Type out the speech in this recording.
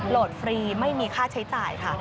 ฟรีไม่มีค่าใช้จ่ายค่ะ